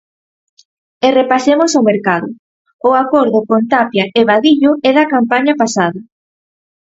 E repasemos o mercado: o acordo con Tapia e Vadillo é da campaña pasada.